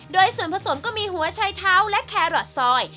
โดยส่วนผสมก็มีหัวชัยเท้าและแครอทซอย